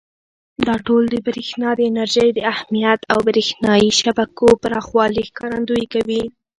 دا ټول د برېښنا د انرژۍ د اهمیت او برېښنایي شبکو پراخوالي ښکارندويي کوي.